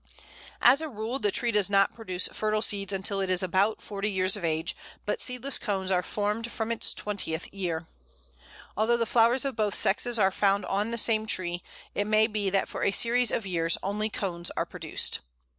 As a rule, the tree does not produce fertile seeds until it is about forty years of age, but seedless cones are formed from its twentieth year. Although the flowers of both sexes are found on the same tree, it may be that for a series of years only cones are produced.